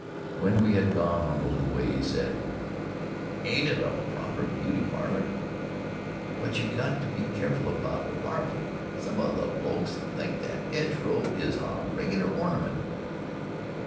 When we had gone on a little way he said: "Ain't it a proper beauty parlor? But you got to be careful about larfin'. Some o' the blokes thinks that 'edge row is a regular ornament."